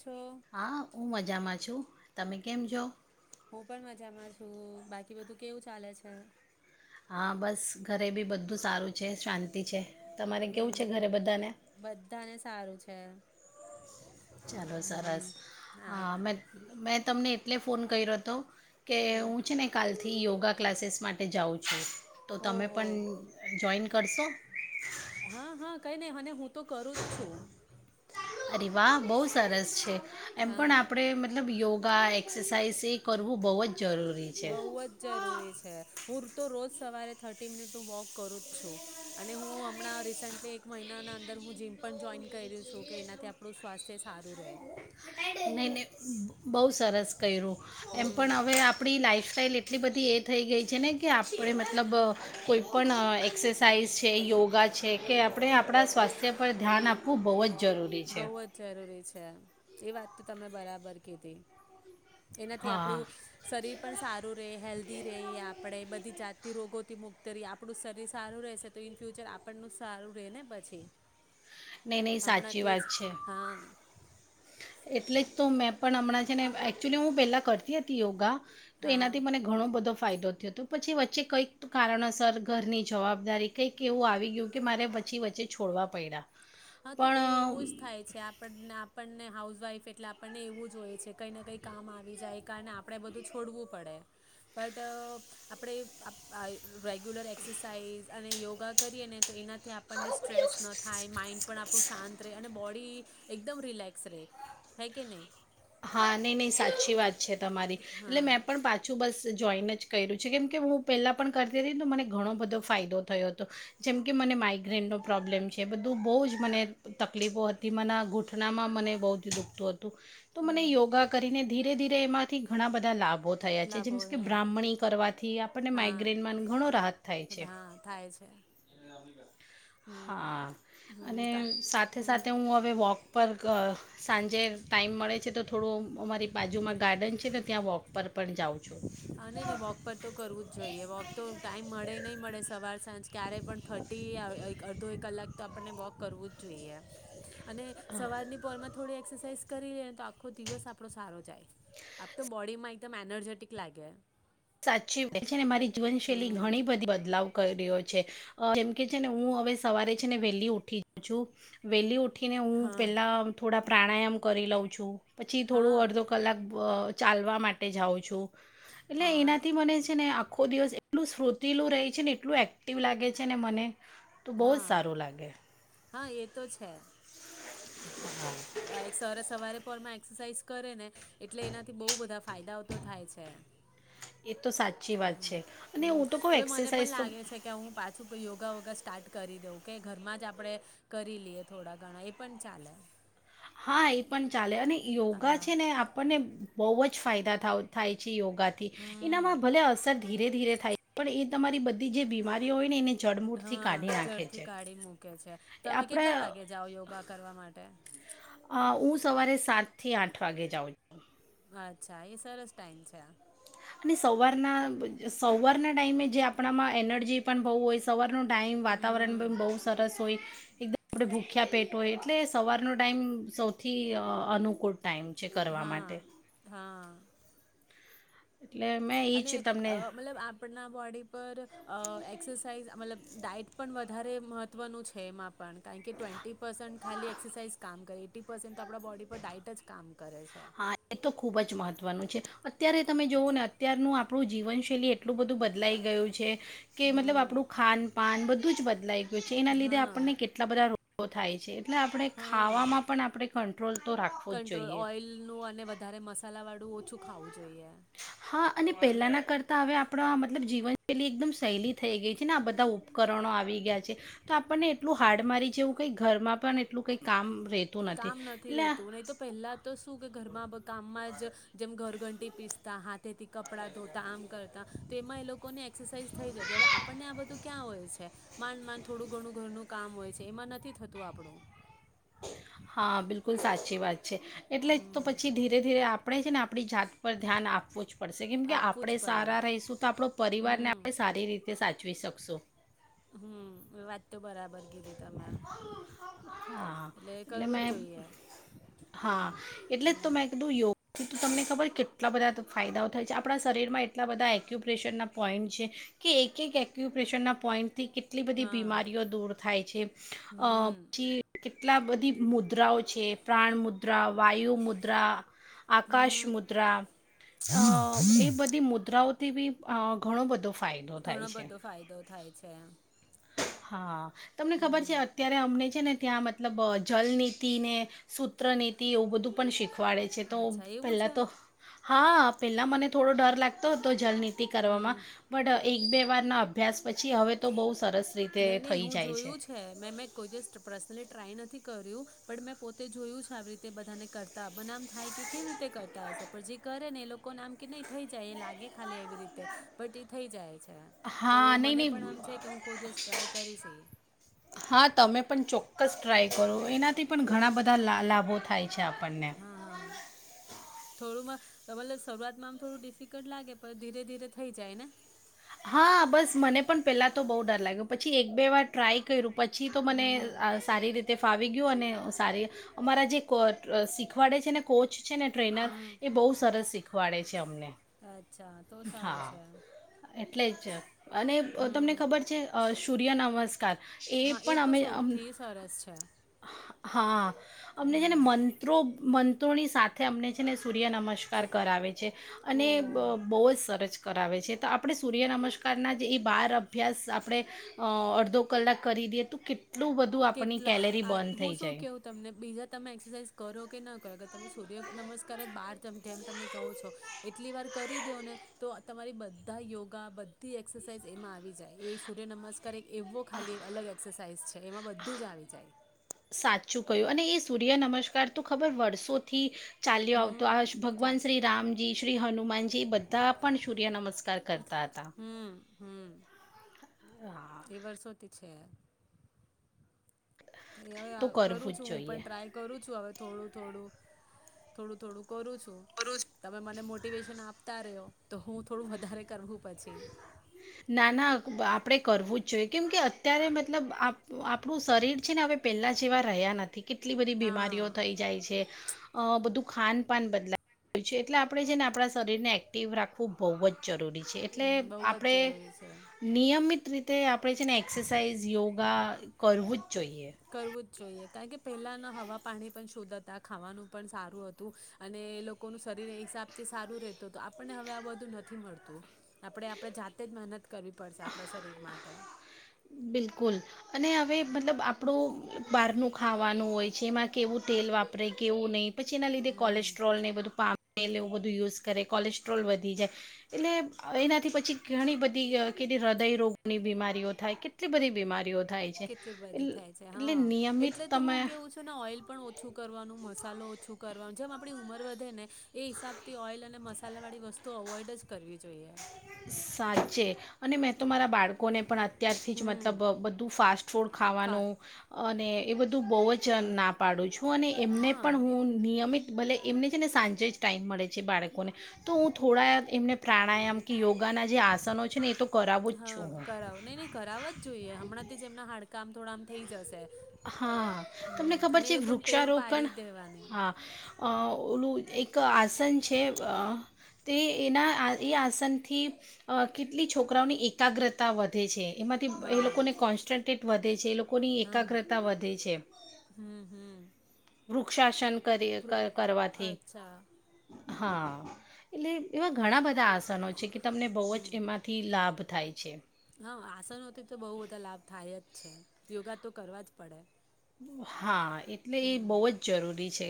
છો હા, ઉં મજામાં છું. તમે કેમ છો? હું પણ મજામાં છું. બાકી બધું કેવું ચાલે છે? હા બસ ઘરે બી બધું સારું છે. શાંતિ છે. તમારે કેવું હમ છે ઘરે બધાને? બધાને સારું છે ચાલો સરસ હમ અ હા મેં મેં તમને એટલે ફોન કર્યો તો કે હમ હું છે ને કાલથી યોગ ગા ક્લાસીસ માટે જાઉં છું. તો તમે ઓહો પણ જોઈન કરશો? હા હા કહી નહીં અને હું તો કરું જ છું. અરે વાહ! બહુ સરસ છે. એમ પણ હા આપણે મતલબ યોગ એક્સરસાઇઝ એ કરવું બહુ જ. જરૂરી છે બઉુ જ જરૂરી છે હું. તો રોજ સવારે થર્ટી મિનિટનું વોક કરું જ છું અને હું હમણાં રિસેન્ટલી એક મહિનાના અંદર હું જીમ પણ જોઈન કર્યું છું કે એનાથી આપણું સ્વાસ્થ્ય સારું રહે. નહીં નહીં બહુ સરસ કર્યું. એમ હમ પણ હવે આપણી લાઈફ. ફલ એટલી બધી એ થઈ ગઈ છે ને કે આપણે મતલબ કોઈપણ એક્સરસાઇઝ છે યોગા છે કે આપણે આપણાં સ્વાસ્થ્ય પર ધ્યાન આપવું બહુ જ જરૂરી બઉ છે જ જરૂરી છે. અચ્ એ વાત તો તમે બરાબર કિધી એનાથી હા આપણું શરીર પણ સારું રહ હેલ્ધી રહે આપણેે બધી જાત રોગોથી મુક્ તરી આપણું શરીર સારું રહેશે તો ઇન ફ્યુચર આપણનું સારું રહે ને પછી ન નહી સાચી તે વાત જ છે હા. એટલે જ તો મેં પણ હમણાં છે ને એકક્ચુલી હું પહેલાં કરતી હતી યોગા તો હા એનાથી મને ઘણો બધો ફાયદો થયો તો પછી વચ્ચે કંઈક કારણસર ઘરની જવાબદારી કંઈક એવું આવી ગયું કે મારે પછી વચ્ચે છોડવા પડ્યા હા તો એ એવો પણ જ થાય છે આપણને આપણને હાઉસવાઈફ એટલે આપણને એવું જ હોય છે કંઈ ને કંઈ કામ આવી જાય કારણે આપણે બધું છોડવું પડે બટ આપણે રેગ્યુલર એક્સરસાઇઝ અને યોગા કરીએ ને તો એનાથી આપણને સ્ટ્રેસ ન થાય માઇન્ડ આપણુ શાંત રહે અને બ બડી એકદમ રિલેક્સ રહે હે કે નહી હા નહી નહી સાચી વાત. છે તમારી. હા એટલે મેં પણ પાછું બસ જોઈન જ કર્યું છે કેમ કે હું પહેલાં પણ કરતી હતી ન તો મને ઘણો બધો ફાયદો થયો હતો. જેમ કે, મને માઇગ્રેનનો પ્રોબ્લેમ છે બધું બોઉ જ મને તકલીફો હતી મન ગૂંઠણામાં મને બો જ દુઃખતું હતું. તો મને હમ યોગા કરીને ધીરે ધીરે એમાંથી ઘણા બધા લાભ ભો થયા છે લાભો જેન્સ કે થયા બ્રાહ્મણી કરવાથી આપ પણને હા માઈગ્રેનમાં ન ઘણો રાહત થાય છે. હા થાય છે હમ હા, હમ અને કા સાથે હમ સાથે હું હવે વોક પર કઅ સાંજે ટાઈમ મળે છે તો થોડું અમારી બાજુમાં ગાર્ડન છે ને ત્યાં વોક પર પણ જાઉં છું. આને ને વોક પર તો કરવું જ જોઈએ. વોક તો ટાઈમ મળે નઈ મળે સવા વાર સાંજ ક્યારે પણ થર્ટી આવે-આયક-અડધો એક કલાક તો આપણને વોક કરવું જ જોઈએ. અને સવારની પોરમાં થોડી એક્સરસાઈઝ કરી લે તો આખો દિવસ આપણો સારો જાય. આપ તો બોડીમાં એકદમ એનર્જેટિક લાગે. સાચીવ છે ને. મારી જીવનશૈલી હમ ઘણી બધી બદલાવ કરેલી હોય. છે. જેમ કે છે ને હું હવે સવારે છે ને વેલી ઉઠી જઉં છું. વેલી ઉઠ ઠીને હું હા પહેલાં થોડા પ્રાણાયમ કરી લઉ છું, પછી થોઙુ હા અડધો કલાક અ ચાલવા માટે જાઉં છું. એટલે હા એનાથી મને છે ને આખો દિવસ એટલું શ્રુતીલું રહે છે ને એટલું એક્ટિવ લાગે છે ને મને તો બોવ જ હા સારું લાગે. હા, એ તો છે. હ. આ એક સવારે સવારે પોરમાં એક્સરસાાઈઝ કરે ને એટલે એનાથી બોઉ બધા ફાયદાઓ તો થાય છે. એત હમ. હવે મને પણ એક્સરસાઇઝ તો લાગે છે કે હું પાછું કંઈ યોગા વોગા સ્ટાર્ટ કરી દવ કે ઘરમાં જ આપણે કરી લઈએ થોડા ઘણા એ પણ ચાલે. હા, એ પણ ચાલે અને યોગા હા છે ને આપણને બોઉ જ ફાયદા થાવ-થાય છે. યોગાથી. હમ એનામાં ભલે અસર ધીરે ધીરે થાય પણ એ તમારી બધી જે બીમારીઓ હોય ને એને જડમૂળથી કાઢી નાખે છે. કે છે. એ તમે આપણે કેટલા વાગે જાઓ યોગા કરવા માટે? અ ઉં સવારે સાત થી આઠ વાગે જાઉં હા, અચ્છા એ સરસ ટાઈમ છે. અને સવારના, સવારના ટાઈમે જે આપણામાં એનર્જી પણ બહુ હોય સવારનું ટાઈમ વાતાવરણ હમ પણ બહુ સરસ હોય. એકદમ આપ ભૂખ્યા પેટ હોય, એટલે સવારનો ટાઈમ સૌથી અનુકૂળ. ટાઈમ છે કરવા હા માટે. હા એટલે મેં એ અને જ તમને મતલબ આપણા બોડી પર એક્સરસાઇઝ મતલબ ડાઇટ પન વધારે મહત્વ નું છે એમા પન કાન કે ટ્વેન્ટી પરસેટ એક્સરસાઇઝ કામ કરે એટી પર્સન્ટ તો આપણા બોડી પર ડાઇટ જ કામ કરે છે હા, એ તો ખુબ જ મહત્વનું છે. અત્યારે તમે જોઓ ને અત્યારનું આપણું જીવનશૈલી એટલું બધું બદલાઈ ગયું છે. કે મતલબ આપણું હમ ખાન, પાન બધ ું જ બદલાય. જો છે એના લધે હા આપણને કેટલા બધા રો. તો થાય છે. એટલે આપણે હા ખાવામાં પણ આપણે કંટ્રોલ તો રાખવો જ કંટ્રોલ જોઈએ. ઓઇલનું અને વધારે મસાલા વાળું. હા અને પેલાના કર. તો હવે આપણા મતલબ જીવનશૈલી એકદમ શૈલી થઈ ગઈ છે ને આ બધા ઉપકરણો આવી ગયા છે તો આપણને એટલું હાડ મારી જે એવું કંઈક ઘરમાં પણ એટલું કંઈ કામ. રહેતું કામ નથી એટલે રેતું નહી તો પહેલા તો શું કે ઘરમાં કામમાં જ જેમ ઘર. ઘંટી પિસ્તા હા. તેથી કપડા ધોતા આમ કરતા. તો એમાં એ લોકોને એક્સરસાઇઝ થઈ જતી હવે આપણને આ બધું ક્યાં હોય છે માન માન થોડું ઘણું ઘરનુંું કામ હોય છે એમાં નથી થતું આપણું. હા બિલકુલ સાચી વાત છે. એટલે જ તો હમ પછી ધીરે ધીરે આપણેે છે ને આપ. આપણી જાત પર ધ્યાન આપવું જ. પડશે કેમ કે આપવું આપણે જ પડે સારા રહીશું તો આપણો પરિવારને હમ આપણે સારી રીતે સાચવી શકી. સો. હમ વાત તો બરાબર કીધી. તમે હા એટલે કરવું જ મેં જોઈએ હા એટલે તો હમ મેં કીધું યોગ. તો તમને ખબર કેટલા બધા ફાયદાઓ થાય છે આપણાં શરીરમાં એટલા બધા એક્યુપ્રેશનના પોઈન્ટ છે કે એક એક્યુપ્રેશનના પોઈન્ટ. થી કેટલી બધી હા બીમારીઓ દૂર થાય છે. અ હમ જી. કેટલા બધી મુદ્રાઓ છે પ્રાણ મુદ્રા. મુદ્રા વાયુ મુદ્રા આકાશ હમ મુદ્રા. અ એ બધી મુદ્રાઓથી બી ઘણો બધો. ફાયદો ઘણો થાય છે બધો ફાયદો થાય. છે. હા. તમને ખબર છે હમ અત્યારે અમને છે ને ત્યાં મતલબ જલનીતિ ને, સૂત્ર નીતિ એવું બધું શીખવાડે છે તો અચ્છા એવું પેલા છે તો હા પેલા મને થોડો ડર લાગતો હતો જલની. કરવામાં, હમ બટ એ. એક બે વાર ના અભ્યાસ પછી હવે તો બહુ સરસ. રીતે તે નહી નહી થઈ હું જાય જોયું છે મેં મે કોઈ જ પર્સનલ ટ્રાય નથી કર્યું, પણ મેં પોતે જોયું છે આવી રીતે બધાને કરતા બનામ થાય કે કેવી રીતે કરતા હશે પણ જે કરે ને એ લોકો ના આમ કે નહી થઈ જાય એ લાગે ખાલી એવી રીતે, બટ એ થઈ જાય છે. તો હા નહી મને નહી. પણ આમ છે કે હું કોઈ દિવસ ટ્રાય કરીશ. હા તમે પણ ચોક્કસ ટ્રાય કરો એનાથી પણ ઘણા બધા લાભો થાય. છે આપણને. હા હા થોડુંમાં, મતલબ શરૂઆતમાં આમ થોડું ડિફિકલ્ટ લાગે પણ ધીરે ધીરે થઈ જાય ને. હા બસ મને પણ પેલા તો બહુ ડર લાગ્યો પછી એક બે વાર ટ્રાય કર્યું. પછી તો મને હમ સારી રીતે ફાવે. આવી ગું અને સારી, અમારા જે શીખવાડે છે ને કોચ છે ને ટ્રેનર, હમ એ બહુ સરસ શીખવાડે છે અમને. અચ્છા તો સારું હા, છે એટલે જ અને તમને હમ ખબર છે સૂર્ય નમસ્ હા એ તો સૌથી સરસ છે. હા. અમને છે ને હમ મંત્રો મ ની સાથે અમને છે સૂર્ય નમસ્કાર કરાવે છે, અને ઓહ બૂ જ સરસ કરાવે છે તો આપણે સૂર્ય નમસ્કારના જ એ બાર અભ્યાસ આપણે, અડધો કલાક કરી દઈએ તો કેટ કેટલા, હું શું જાય કેવું તમને બીજા તમે એક્સરસાઇઝ કરો કે ના ર તમે સૂર્ય નમસ્કાર જ બાર જેમ તમે કહો છો, એટલી વાર કરી દો ને તો તમારી બધા યોગા બધી એક્સરસાઇઝ એમાં આવી જાય એ સૂર્ય નમસ્કાર કરે એવો ખાલી એક અલગ એક્સરસાઇઝ છે. એમાં બધું જ આવી જાય. યો અને એ સૂર્ય નમસ્કાર તો ખબર વર્ષોથી ચાલ્યો આવતો હમ આ ચાલ ભગવાન શ્રી રામજી શ્રી હનુમાનજી બધા પણ સૂર્ય નમસ્કાર કરતા હતા. હમ હમ. હા. એ વર્ષોથી છે. તો હવે કરું કરવું જ છું હું જોઈએ પણ ટ્રાય કરું છું હવે થોડું થોડું. થોડું થોડું. કરું છું, તમે મને મોટિવેશન આપતા રહ્યો. તો હું થોડું વધારે કરવું પછી. ના ના આપે કરવું જ જોઈએ કેમ કે અત્યારે મતલબ આપણું શરીર છે ને હવે પેલા જેવા રહ્યા નથી. કેટલી બધી બીમારીઓ હા થઈ જાય છે. અ બધું ખાનપાન બદલાય છે એટલે આપણે છે ને આપણા શરીરને એક્ટિવ રાખવું બહુ જ જરૂરી છે, એટલે બહુ આપ જ જરૂરી છે. નિયમિત રીતે આપણે છે ને એક્સરસાઇઝ યોગા કરવું જ જોઈએ કરવું જ જોઈએ. કારણ કે પહેલાના હવા પાણી પણ શુદધતા ખાવાનું પણ સારું હતું, અને એ લોકોનું શરીર એ હિસાબથી સારું રહેતું હતું આપણને હવે આ બધું નથી મળતું, આપણે આપણે જાતે જ મહેનત કરવી પડશે આપણા શરીર માટે. બિલકુલ, અને હવે મતલબ આપણું બહારનું ખાવાનું હોય છે એમાં કેવું તેલ વાપરે કેવું નહી. પછી એના લીધે હમ કોલેસ્ટ્રોલ ને વધુ પામ એલે એવું બધું યુઝ કરે કોલેસ્ટ્રોલ વધી જાય, એટલે એનાથી પછી ઘણી બધી કે હૃદયરોગોની બીમારીઓ થાય કેટલી બધી બીમારીઓ થાય છે કેટલી બધી થાય છે એટલે હા, નિયમિત એટલે તો તમે હું કેવું છું ને ઓલ પણ ઓછું કરવાનું મસાલો ઓછું કરવાનું જેમ આપણી ઉંમર વધે ને, એ હિસાબથી ઓઇલ અને મસાલાવાળી વસ્તુ અવોઇડ જ કરવી જોઈએ સાચે. અને મેં તો મારા બાળકોને પણ તત્યારથી જ હમ મતલબ બધું ફાસ્ટ ફૂડ ફા ખાવાનું. અને એ બધું બહુ જ ના પાડું છું. છું અને એમને હા પણ હું નિયમિત ભલે એમને છે ને સાંજે જ ટાઈમ મળે છે બાળકોને, તો હું થોડા પ્રાણાયામ કે યોગાના જે આસનો છે ને એ તો કરાવું જ હા છું હું. કરાવો કામ થોડા આમ થઈ જશે. હા, તમને હમ ખબર અને એ છે લોકોને ટેવ વૃક્ષારોપણ, પાડી જ દેવાની હા ઓલું એક એક આસન છે, તે એના આ એ આસનથી, કેટલી છોકરાઓની એકાગ્રતા વધે છે. એમાંથી એ હા લોકોને કોન્સ્ટન્ટ વધે છે એ લોકોની હમ એકાગ્રતા વધે છે. હમ હમ વૃક્ષાસન કરીએ પ્રો કરવાથી. અચ્છા હા, એટલે એવા ઘણા બધા આ છે કે તમને બહુ હમ જ એમાંથી લાભ થાય છે. હા આસનોથી તો બહુ બધા લાભ થાય જ છે, યોગા તો કરવા જ પડે. હા. એટલે હમ એ બહુ જ જરૂરી છે.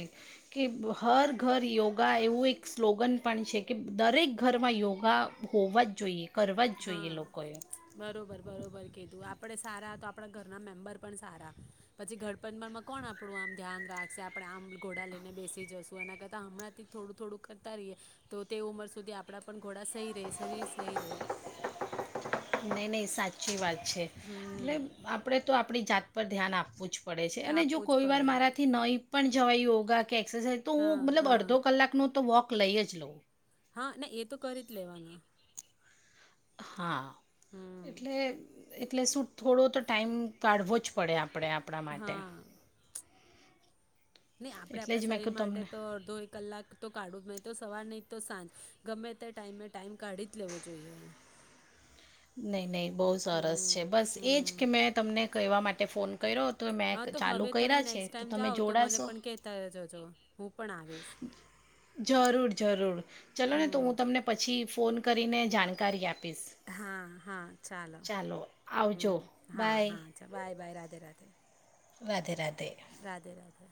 કે હર ઘર યોગા એવું એક સ્લોગન પણ છે કે દરેક ઘરમાં યોગા હોવા જ જોઈએ. કરવા જ જોઈએ હા લોકોએ. બરોબર બરોબર કીધું આપડે સારા તો આપણા ઘરના મેમ્બર પણ સારા, પછી ઘડપણમાં કોણ આપણું આમ ધ્યાન રાખશે આપણે આમ ઘોડા લઈને બેસી જશું એના કરતા હમણાં થી થોડું થોડું કરતા રહીએ, તો તે ઉંમર સુધી આપડા પણ ઘોડા સહી રહે શરીર સહી રહે. નઇ નઇ સાચી વાત. છે, એટલે હમ આપણેે તો આપ આપણી જાત પર ધ્યાન આપવું જ પડે. પડે છે અને જો આપવું જ કોઈ વાર પડે મારાથી નય પણ જો યોગા એક્સરસાઇઝ તો હું હા મતલબ હા અડધો કલાક નો તો વોક લઈય જ લોવ. હા એ તો કરી જ લેવાના. હા. એટલે હમ એટલે શું થોડો તો ટાઈમ કાઢવો જ પડે આ. આપણે આપણા માટે. નઇ આપડે એટલે આપણા જ મેં શરીર કહું માટે તમને તો અડધો એક કલાક તો કાઢવું નઇ તો સવારની તો સાંજ, ગમે તે ટાઈમે ટાઈમ કાઢી જ લેવો જોઈએ. નહી નહી બહુ સરસ છે હમ બસ એજ કે હમ મેં તમને કહેવા માટે કે ફોન કરો હતો. હા તો હવે તમે નેક્સ્ટ ટાઈમ જાઓ તો મને જોડાશો પણ કેતા જજો. હું પણ આવીશ જરૂર જરૂર ચલો ને તો હમ હું તમને પછી ફોન કરીને જાણકારી આપી હા હા ચાલો, આવજો હમ હા બાય હા બાય. [unintelligible] રાધે રાધે. રાધે રાધે.